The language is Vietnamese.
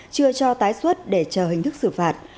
chưa cho tái xuất để chờ hình thức xử phạt